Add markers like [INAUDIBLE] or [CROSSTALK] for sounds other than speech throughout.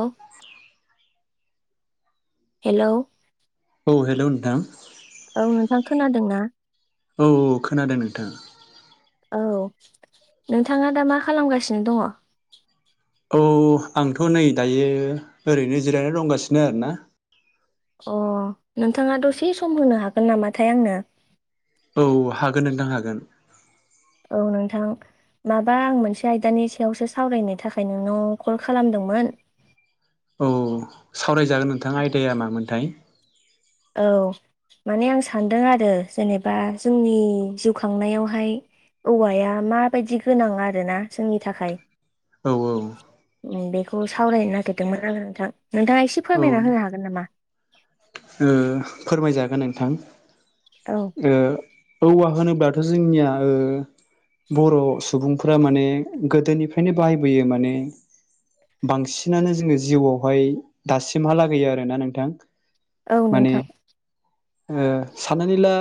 औ हेल' औ हेल' नोंथां औ नोंथां खोनादोंना? औ औ खोनादों नोंथाङा औ नोंथाङा दा मा खालामगासिनो दङ? औ आंथ' नै दायो ओरैनो जिरायनो दंगासिनो आरोना। अ नोंथाङा दसे सम होनो हागोन नामाथाय आंनो? औ हागोन नोंथां हागोन। औ नोंथां। माबा आं मोनसे आयदानि सायावसो सावरायनो थाखाय नोंनाव कल खालामदोंमोन। औ सावरायजागोन नोंथां आयदाया मामोनथाय? औ माने आं सानदों आरो जेनेबा जोंनि जिउ खांनायावहाय औवाया माबायदि गोनां आरो ना जोंनि थाखाय औ औ बेखौ सावरायनो नागिरदोंमोन आरो नोंथां नोंथाङा इसे औ फोरमायना होनो हागोन नामा? ओ फोरमायजागोन नोंथां औ [INAUDIBLE] ओ औवा होनोब्लाथ' जोंनिया ओ बर' सुबुंफोरा माने गोदोनिफ्रायनो बाहायबोयो माने बांसिनानो जोङो जिउआवहाय दासिमहा लागै आरोना नोंथां औ माने नोंथां। ओ साननानै ला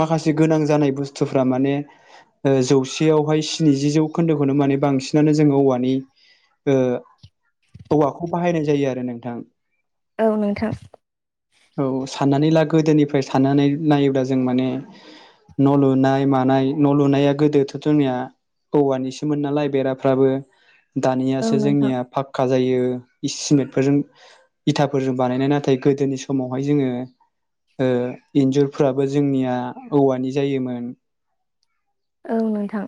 माखासे गोनां जानाय बुस्थुफ्रा माने ओ जौसेयावहाय स्निजि जौ खोन्दोखौनो माने बांसिनानो जोङो औवानि ओ औवाखौ बाहायनाय जायो आरो नोंथां। औ नोंथां। औ साननानै ला गोदोनिफ्राय साननानै नायोब्ला जों माने न' लुनाय मानाय न' लुनाया गोदोथ' जोंनिया औवानिसोमोन नालाय बेराफ्राबो औ दानियासो नोंथां जोंनिया फाक्का जायो इससिमिदफोरजों इथाफोरजों बानायनाय नाथाय गोदोनि समावहाय जोङो ओ इन्जुरफ्राबो जोंनिया औवानि जायोमोन औ नोंथां।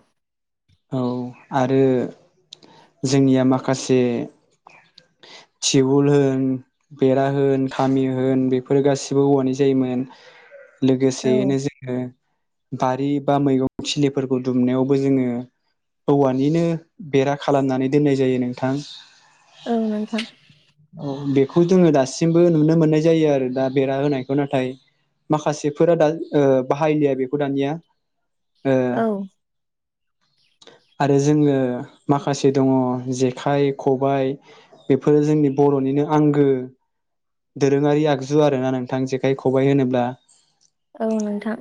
औ आरो जोंनिया माखासे [INAUDIBLE] टिउबुल होन बेरा होन खामि होन बेफोरो गासिबो औवानि जायोमोन। औ लोगोसेयैनो जोङो बारि बा मैगं थिलिफोरखौ दुमनायावबो जोङो हौवानिनो बेरा खालामनानै दोननाय जायो नोंथां। औ नोंथां। औ बेखौ जोङो दासिमबो नुनो मोननाय जायो आरो दा बेरा होनायखौ नाथाय माखासेफोरा दा ओ बाहायलिया बेखौ दानिया। ओ औ [INAUDIBLE] आरो जोङो माखासे दङ जेखाइ खबाइ बेफोरो जोंनि बर'निनो आंगो दोरोङारि आगजु आरोना नोंथां जेखाइ खबाइ होनोब्ला। औ नोंथां।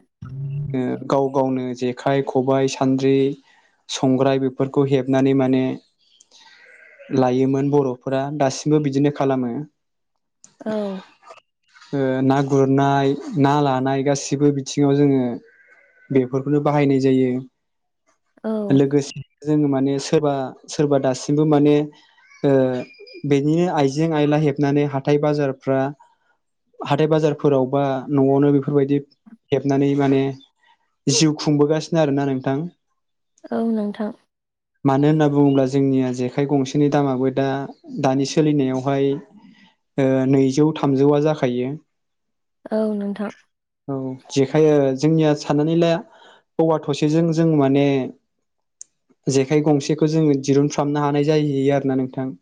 गाव गावनो जेखाइ खबाइ सान्द्रि संग्राय बेफोरखौ हेबनानै माने लायोमोन बर'फोरा दासिमबो बिदिनो खालामो। औ। ओ ना गुरनाय ना लानाय गासिबो बिथिङाव जोङो बेफोरखौनो बाहायनाय जायो औ लोगोसे जोङो माने सोरबा सोरबा दासिमबो माने ओ बेनिनो आइजें आयला हेबनानै हाथाय बाजारफ्रा हाथाय बाजारफोराव बा न'आवनो बेफोरबायदि हेबनानै माने जिउ खुंबोगासिनो आरोना नोंथां औ नोंथां मानो होनना बुङोब्ला जोंनिया जेखाइ गंसेनि दामाबो दा दानि सोलिनायावहाय [UNINTELLIGIBLE] [INAUDIBLE] ओ नैजौ थामजौआ जाखायो औ नोंथां औ जेखायो जोंनिया साननानै ला औवा थसेजों जों माने जेखाइ गंसेखौ जोङो दिरुनफ्रामनो हानाय जाहैयो आरोना नोंथां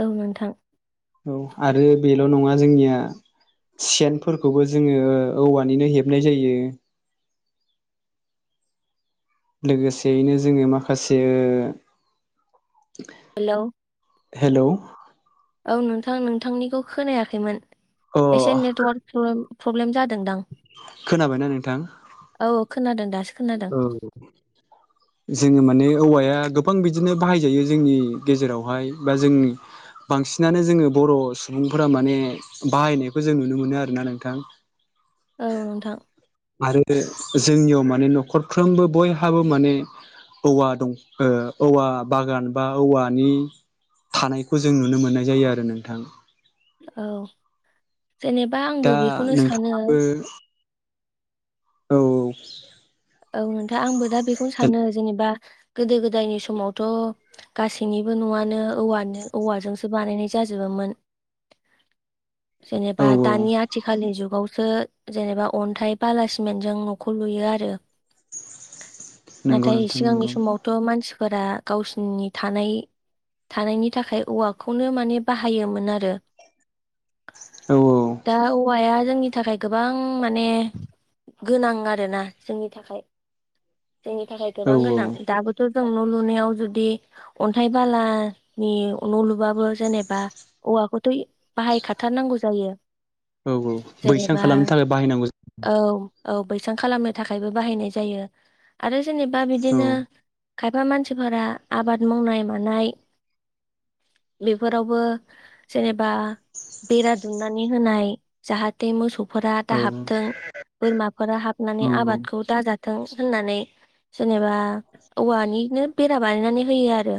औ नोंथां औ आरो बेल' नङा जोंनिया सेनफोरखौबो जोङो औवानिनो हेबनाय जायो लोगोसेयैनो जोङो माखासे हेलौ हेल' औ नोंथां नोंथांनिखौ खोनायाखैमोन अ एसे नेटवार्क प्रब्लेम जादोंदां खोनाबायना नोंथां औ खोनादों दासो खोनादों औ जोङो माने औवाया दा गोबां बिदिनो बाहायजायो जोंनि गेजेरावहाय बा जोंनि बांसिनानो जोङो बर' सुबुंफोरा माने बाहायनायखौ जों नुनो मोनो आरोना नोंथां। औ नोंथां आरो जोंनियाव माने नख फरफ्रोमबो बयहाबो माने औवा दं ओ औवा बागान बा औवानि थानायखौ जों नुनो मोननाय जायो आरो नोंथां औ जेनेबा दा आंबो बेखौनो सानो नोंथाङाबो औ औ नोंथां आंबो दा बेखौनो सानो जेनेबा गोदो गोदायनि समावथ' गासैनिबो नआ नों औवानो औवाजोंसो बानायनाय जाजोबोमोन। औ जेनेबा औ दानि आथिखालनि जुगाव खोब जेनेबा अन्थाइ बाला सिमेन्टजों न'खौ लुयो आरो। नंगौ नाथाय नोंथां सिगांनि नंगौ समावथ' मानसिफोरा गावसिनि थानाय थानायनि थाखाय औवाखौनो माने बाहायोमोन आरो औ दा औवाया जोंनि थाखाय गोबां माने गोनां आरोना जोंनि थाखाय। जोंनि थाखाय औ गोबां गोनां दाबोथ' जों न' लुनायाव जुदि अन्थाइ बालानि न' लुबाबो जेनेबा हौवाखौथ' बाहायखाथारनांगौ जायो औ बैसां जेनेबा खालामनो थाखाय बाहायनांगौ औ औ बैसां खालामनो थाखायबो बाहायनाय जायो आरो जेनेबा बिदिनो औ खायफा मानसिफोरा आबाद मावनाय मानाय बेफोरावबो जेनेबा बा बेरा दुमनानै होनाय जाहाथे मोसौ फोरा औ दाहाबथों बोरमाफोरा हाबनानै औ आबादखौ दाजाथों होननानै जेनेबा औवानिनो बेरा बानायनानै होयो आरो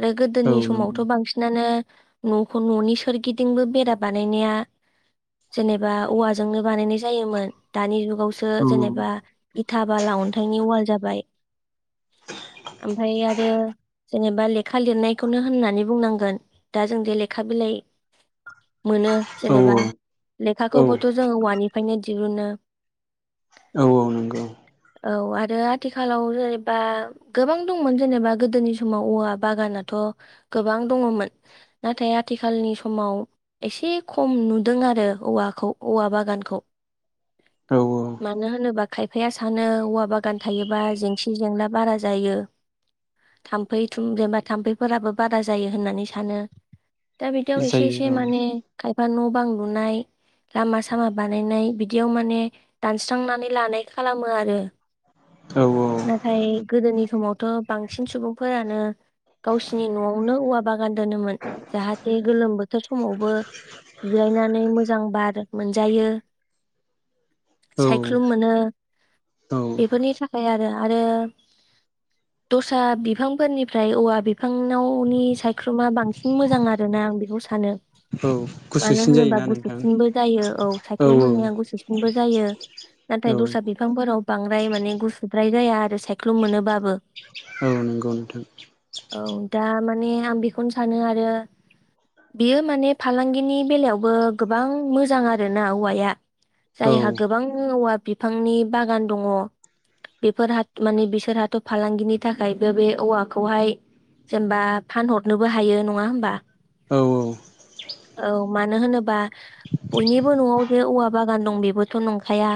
आरो गोदोनि औ नंगौ समावथ' बांसिनानो न'खौ न'नि सोरगिदिंबो बेरा बानायनाया जेनेबा औवाजोंनो बानायनाय जायोमोन दानि गावसो औ जेनेबा इथा बाला अन्थाइनि अवाल जाबाय ओमफ्राय आरो जेने बा लेखा लिरनायखौनो होननानै बुंनांगोन दा जों लेखा बिलाइ मोनो औ जेनेबा औ लेखाखौबोथ' जोङो औवानिफ्रायनो दिहुनो औ औ नंगौ औ आरो आथिखालाव जेनेबा गोबां दंमोन जेनेबा गोदोनि समाव औवा बागानाथ' गोबां दङमोन नाथाय आथिखालनि समाव एसे खम नुदों आरो ओ औखौ औवा बागानखौ औ मानो होनोबा खायफाया सानो औवा बागान थायोबा जेंसि जेंला बारा जायो थाम्फै थुम जेनबा थाम्फैफोराबो बारा जायो होननानै सानो दा बिदियाव एसे जायो एसे औ माने खायफा न' बां लुनाय लामा सामा बानायनाय बिदियाव माने दानस्रांनानै लानाय खालामो आरो औ नाथाय गोदोनि समावथ' बांसिन सुबुं फोरानो गावसिनि न'आवनो औवा बागान दोनोमोन जाहाथे गोलोम बोथोर समावबो जिरायनानै मोजां बार मोनजायो औ सायख्लुम मोनो औ बेफोरनि थाखाय आरो आरो [INAUDIBLE] दस्रा बिफांफोरनिफ्राय औवा बिफांनावनि सायख्रुमा बांसिन मोजां आरोना आं बेखौ सानो औ मानो गुसुसिन होनोबा जायोना नोंथां गुसुसिनबो जायो औ सायख्लुम होनाया गुसुसिनबो जायो औ नाथाय दस्रा बिफांफोराव बांद्राय माने गुसुद्राय जाया आरो सायख्लुम मोनोबाबो औ नंगौ नोंथां औ दा माने आं बेखौनो सानो आरो बेयो माने फालांगिनि बेलायावबो गोबां मोजां आरोना औवाया औ जायहा गोबां औवा बिफांनि बागान दङ बेफोरहा माने बिसोरहाथ' फालांगिनि थाखायबो बे औवाखौहाय जेनेबा फानहरनोबो हायो नङा होमबा [INAUDIBLE] औ मानो होनोबा बयनिबो न'आव जे औवा बागान दं बेबोथ' नंखाया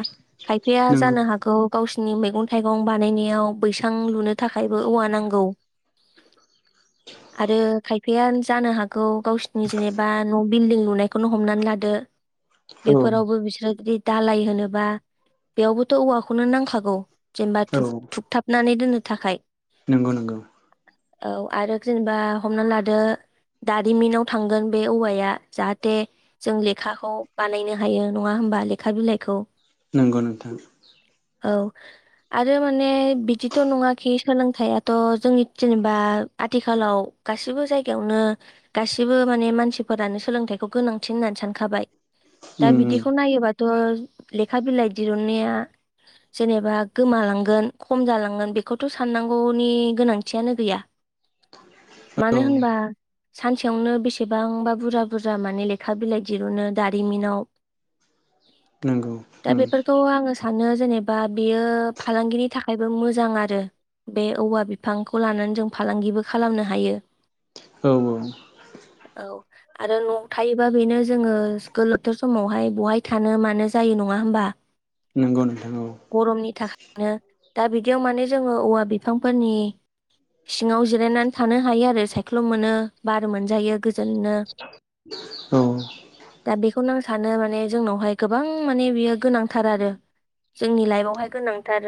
नोंगौ गाव गावसिनि मैगं थाइगं बानायनायाव बैसां लुनो थाखायबो औवा नांगौ [INAUDIBLE] आरो खायफाया जानो हागौ गावसिनि जेनेबा न' बिल्डिं लुनायखौनो हमनानै लादो औ बेफोरावबो बिसोरो जुदि दालाय होनोबा बेयावबो थ' औवाखौनो नांखागौ जेनबाुब औ थुुब-थुबथाबनानै दोननो थाखाय नंगौ नंगौ औ आरो जेनेबा हमना लादो दारिमिनाव थांगोन बे औवाया जाहाथे जों लेखाखौ बानायनो हायो नङा होम बा लेखा बिलाइखौ नंगौ नोंथां औ आरो माने बिदिथ' नङाखि सोलोंथाइयाथ' जोंनि जेनेबा आथिखालाव गासिबो जायगायावनो गासिबो माने मानसिफोरानो सोलोंथाइखौ गोनांथि होननानै सा सानखाबाय दा उम बिदिखौ नायोबाथ' लेखा बिलाइ दहुनन्नाया जेनेबा गोमालांगोन खम जालांगोन बेखौथ' साननांगौनि गोनांथियानो गैया औ मानो होनबा सानसेयावनो बेसेबांबा बुरजा बुरजा माने लेखा बिलाइ दिरुनो दारिमिनाव [INAUDIBLE] नोंगौ मानो जेनेबा बेयो फालांगिनि थाखायबो मोजां आरो। बे औवा बिफांखौ लानानै जों फालांगिबो खालामनो हायो। औ औ। औ आरो न'आव थायोबा बेनो जोङो गोलोबथोर समावहाय बहाय थानो मानो जायो। नङा होमबा। नंगौ नोंथां औ गरमनि थाखायनो दा बिदियाव माने जोङो औवा बिफांफोरनि। सिङाव जिरायनानै थानो हायो आरो सायख्ल' मोनो बार मोनजायो गोजोननो। औ दा बेखौनो आं सानो माने। जोंनावहाय गोबां माने बियो गोनांथार आरो जोंनि लाइफआवहाय गोनांथार।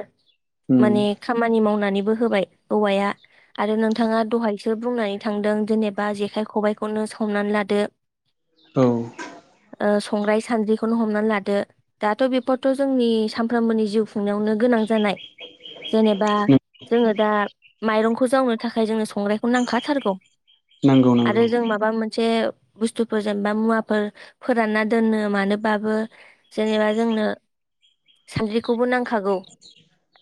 उम माने खामानि मावनानैबो। होबाय औवाया आरो नोंथाङा दहायसो बुंनानै थांदों जेनेबा जेखाइ खबायखौनो। हमनानै लादो। औ। ओ संग्राय सान्द्रिखौनो हमनानै लादो दाथ' बेफोरथ' जोंनि। सानफ्रामबोनि जिउ खुंनायावनो गोनां जानाय। जेनेबा जोङो दा माइरंखौ जावनो थाखाय जोङो संग्रायखौ नांखाथारगौ। नंगौ आरो नंगौ जों माबा मोन। मोनसे बुस्थुफोर जेनेबा मुवाफोर फोरानना दोननो मानोबाबो जेनेबा जोंनो। सानद्रिखौबो नांखागौ।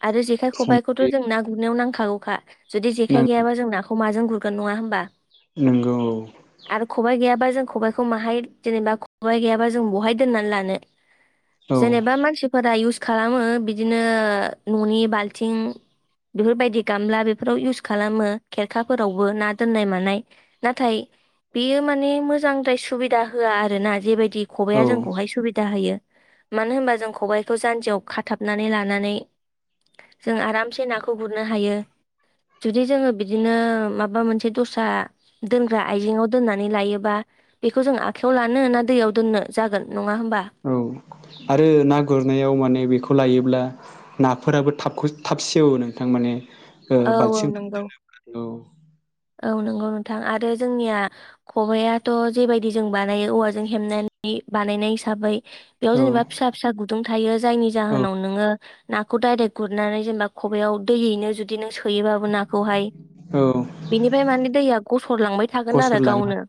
आरो जेखाय खबाइखौथ' सानस्रि जों ना गुरनायाव नांखागौखा जुदि जेखाइ नांगौ गैयाबा जों नाखौ माजों गुरगोन नङा। नङा होमबा। नंगौ। खबायखौ माहाय जेनबा खबाय गैयाबा जों बाहा दोना लानो औ जेनबा मानसि। फोरा इउस खालामो बिदिनो न'नि बाल्थिं। बेफोरबायदि गामला बेफोराव इउस खालामो खेरखाफोरावबो ना दोननाय मानाय नाथाय। बेयो माने मोजांद्राय सुबिदा होआ आरो ना जेबायदि। खबाइाया औ औ जोंखौहाय सुबिदा होयो मानो होनबा जों खबाय। बेखौ जान्जियाव खाथाबनानै लानानै जों आरामसे नाखौ गुरनो हायो। जुदि जोङो बिदिनो माबा मोनसे दस्रा दोनग्रा आइजेङाव दोननानै लायोबा। बेखौ जों आखाइायाव लानो ना दैयाव दोननो जागोन। नङा होमबा औ आरो नागुर। रनायाव माने बेखौ लायोब्ला नाफोराबो थाब थाब सेवो नोंथां माने। ओ औ औ बाल्थिं नंगौ। औ औ नंगौ नोंथां आरो जोंनिया खबायाथ' जेबायदि जों बानायो औवाजों हेबनानै। बानायनाय हिसाबै बेयाव औ जेनेबा फिसा फिसा गुदुं थायो जायनि औ जाहोनाव नोङो। नाखौ डाइरेक्ट गुरनानै जेनेबा खबाइयाव दैयैनो जुदि नों सोयोबाबो नाखौहाय। औ बेनिफ्राय माने दैया गसरलांबाय थागोन आरो गसरलाङो गावनो।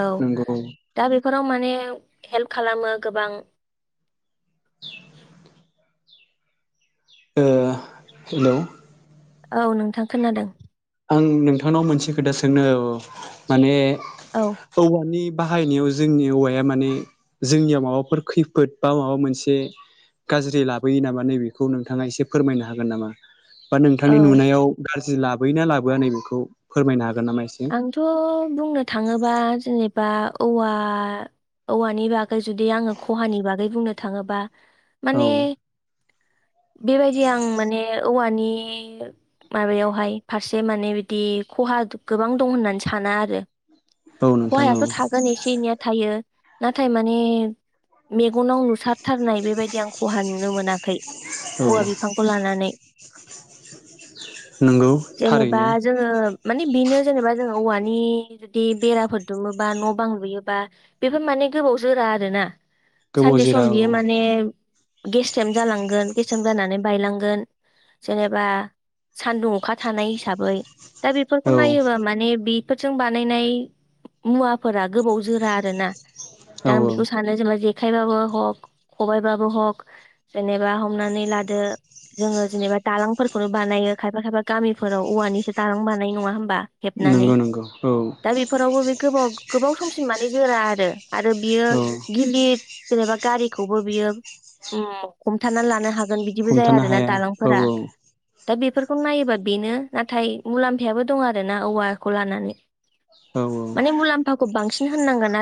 औ नंगौ औ दा बेफोराव माने हेल्प खालामो गोबां। ओ हेलौ। औ नोंथां खोनादों। आं नोंथांनाव मोनसे खोथा सोंनो औ माने औ औवानि। बाहायनायाव जोंनि औवाया माने जोंनियाव माबाफोर खैफोद बा माबा मोनसे। गाज्रि लाबोयो नामा नैबेखौ नोंथाङा एसे फोरमायनो हागोन नामा। बा औ नोंथांनि नुनायाव गाज्रि लाबोयोना लाबोआ नै बेखौ फोरमायनो हागोन। नामा एसे आंथ' बुंनो थाङोबा जेनेबा औवा औवानि बागै। जुदि आङो खहानि बागै बुंनो थाङोबा माने। औ बेबायदि आं माने औवानि। ए माबायावहाय फारसे माने बिदि खहा। गोबां दं होननानै साना आरो औ नोंथां औ खहायाथ' थागोन एसे एनैया थायो। नाथाय माने मेगनाव नु। सारथारनाय बेबायदि आं खहा नुनो मोनाखै औ औवा बिफांखौ लानानै। नंगौ जेनेबा थारैनो जोङो मानि बेनो जेनेबा दा जोंङो औवानि जुदि बेराफोर दुमोबा न' बां लुयोबा बेफोर माने गोबाव जोरा आरोना। गोबाव सानसे जिरा सम औ बियो माने गेस्रेम जालांगोन गेस्रेम जानानै बायलांगोन। जेनेबा सानदुं अखा थानाय हिसाबै दा औ बेफोरखौ नायोबा माने बेफोरजों बानायनाय मुवाफोरा गोबाव जोरा आरोना। दा औ आं औ बेखौ सानो जेनेबा जे जेखाइबाबो हक खबायाइबाबो हक जेनेबा हमनानै लादो जोङो जेनेबा दालांफोरखौनो बानायो खायफा खायफा गामिफोराव औवानिसो दालां बानायो नङा होमबा? हेबनानै नंगौ नंगौ औ दा बेफोरावबो बे गोबाव गोबाव समसिम माने जोरा आरो आरो बियो औ गिलिर जेनेबा गारिखौबो बियो उम हमथानानै लानो हागोन। जागोन बिदिबो जाया हमथानो आरो ना हाया औ दालांफोरा। दा बेफोरखौ नायोबा बेनो नाथाय मुलाम्फायाबो दं आरो ना औवाखौ लानानै। औ औ माने मुलाम्फाखौ बांसिन होननांगोन आरो